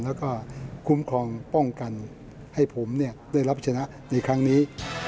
แล้วก็คุ้มครองป้องกันให้ผมได้รับชนะในครั้งนี้